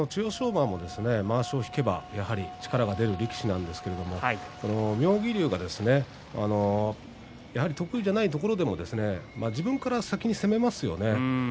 馬もまわしを引けば力が出る力士なんですが妙義龍がやはり得意でないところでも自分から先に攻めますよね。